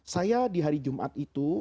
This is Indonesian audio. saya di hari jumat itu